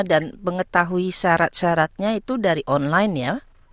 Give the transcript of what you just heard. dan mengetahui syarat syaratnya itu dari online ya